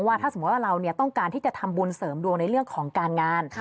ถ้าสมมุติว่าเราต้องการที่จะทำบุญเสริมดวงในเรื่องของการงาน